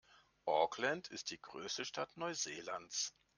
Auckland ist die größte Stadt Neuseelands.